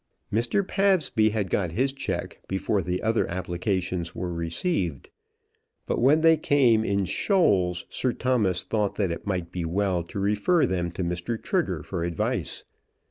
Mr. Pabsby had got his cheque before the other applications were received; but when they came in shoals, Sir Thomas thought that it might be well to refer them to Mr. Trigger for advice.